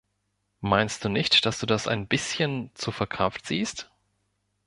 Meinst du nicht, dass du das ein bisschen zu verkrampft siehst?